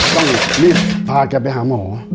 ต้องมีภาพแกไปหาหมอ